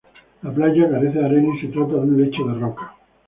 La playa carece de arena y se trata de un lecho de rocas.